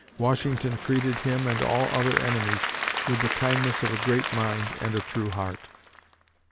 Washington treated him and all other enemies with the kindness of a great mind and a true heart.